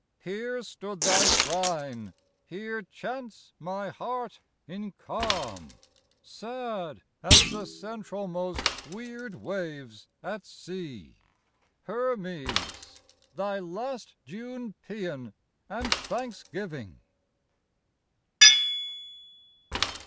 Here stood thy shrine: here chants my heart in calm Sad as the centralmost weird wave's at sea, Hermes! thy last June pæan and thanksgiving.